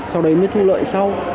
sau đấy mới thu lợi sau